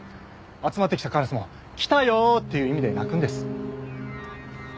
集まってきたカラスも「来たよ」という意味で鳴くんです。